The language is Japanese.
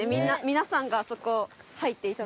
皆さんがあそこ入って頂いたら。